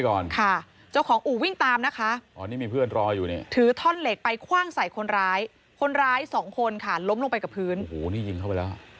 โอ้โฮนี่ยิงเข้าไปแล้ว